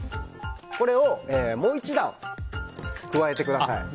これをもう１段加えてください。